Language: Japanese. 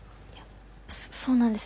そうなんです。